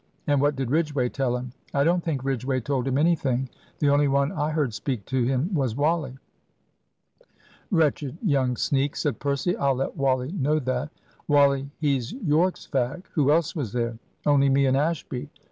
"And what did Ridgway tell him?" "I don't think Ridgway told him anything. The only one I heard speak to him was Wally." "Wretched young sneak!" said Percy. "I'll let Wally know that." "Wally, he's Yorke's fag. Who else was there?" "Only me and Ashby."